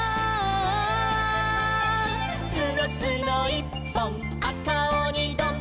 「つのつのいっぽんあかおにどん」